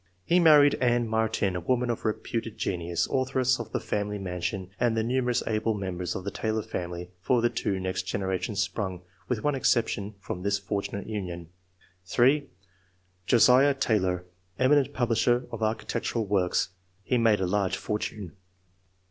He married Ann Martyn, a woman of reputed genius, authoress of the " Family Mansion," and the numerous able members of the Taylor family for the two next generations sprung, with one exception, from this fortunate union; (3) Josiah Taylor, eminent publisher of architectural works; he made a large fortune.